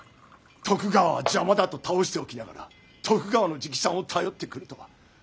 徳川は邪魔だと斃しておきながら徳川の直参を頼ってくるとはなんと恥知らずな！